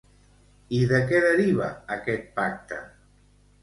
I de què deriva aquest pacte?